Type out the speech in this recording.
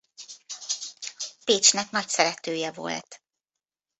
Pécsnek nagy szeretője volt.